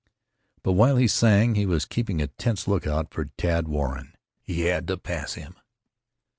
But while he sang he was keeping a tense lookout for Tad Warren. He had to pass him!